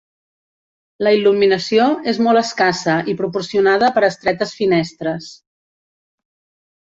La il·luminació és molt escassa i proporcionada per estretes finestres.